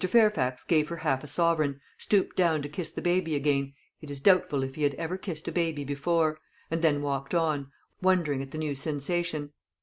Fairfax gave her half a sovereign, stooped down to kiss the baby again it is doubtful if he had ever kissed a baby before and then walked on, wondering at the new sensation.